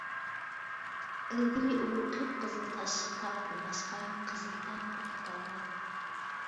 ئىلگىرى ئۇ قىپقىزىل تاشلىق تاغ بولغاچقا، «قىزىلتاغ» دەپ ئاتالغان.